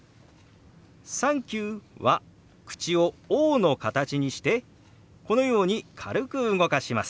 「サンキュー」は口を「オー」の形にしてこのように軽く動かします。